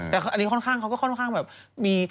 แต่อันนี้ค่อนข้างเขาก็ค่อนข้างแบบมี